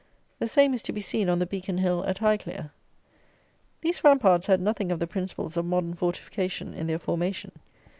The same is to be seen on the Beacon Hill at Highclere. These ramparts had nothing of the principles of modern fortification in their formation.